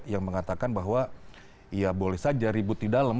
yang mengatakan bahwa ya boleh saja ribut di dalam